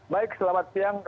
baik selamat siang